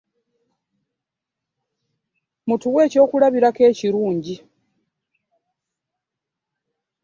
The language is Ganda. Mutuwe ekyokulabirako ekirungi.